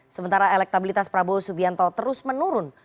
sementara elektabilitas prabowo subianto terus menurun